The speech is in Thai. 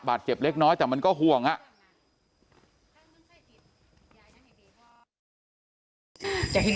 เจ็บเล็กน้อยแต่มันก็ห่วงอ่ะ